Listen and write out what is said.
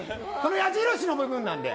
矢印の部分なんで。